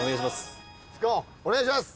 お願いします。